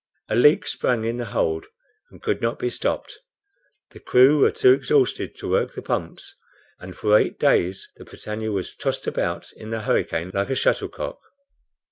A leak sprang in the hold, and could not be stopped. The crew were too exhausted to work the pumps, and for eight days the BRITANNIA was tossed about in the hurricane like a shuttlecock.